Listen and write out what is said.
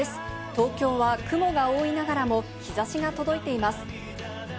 東京は雲が多いながらも日差しが届いています。